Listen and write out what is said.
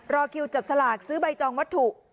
รอคิวจับสลากซื้อใบจองวัตถุ